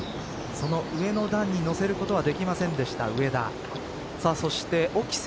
その上の段にのせることはできませんでした、上田。